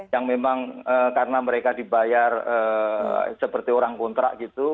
yang memang karena mereka dibayar seperti orang kontrak gitu